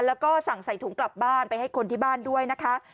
แล้วก็สั่งใส่ถุงกลับบ้านไปให้คนที่บ้านด้วยนะคะ